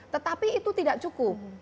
tetapi itu tidak cukup